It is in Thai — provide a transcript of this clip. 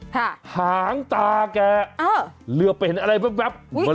ค่ะหางตาแกเลือกไปเห็นอะไรแบบ